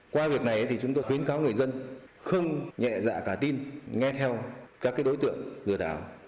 qua việc này thì chúng tôi khuyến cáo người dân không nhẹ dạ cả tin nghe theo các đối tượng lừa đảo